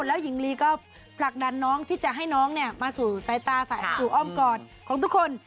และหญิงลีก็ปะดันที่จะให้เธอถือซ้ายตามาถืออ้อมกอดของทุกคน